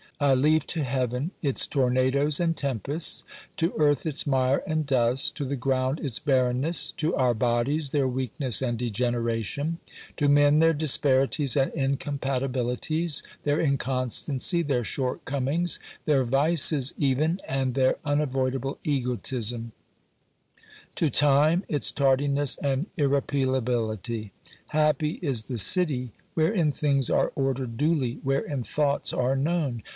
I leave to heaven its tornados and tempests; to earth its mire and dust ; to the ground its barrenness ; to our bodies their weakness and degeneration ; to men their disparities and incompatibilities, their inconstancy, their shortcomings, their vices even and their unavoidable ego tism ; to time its tardiness and irrepealability. Happy is the city wherein things are ordered duly, wherein thoughts are known